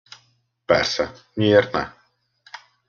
Persze, miért ne?